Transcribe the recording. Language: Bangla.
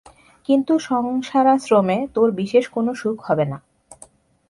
কিন্তু সংসারাশ্রমে তোর বিশেষ কোন সুখ হবে না।